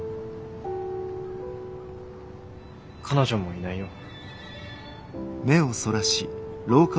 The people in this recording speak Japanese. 彼女もいないよ。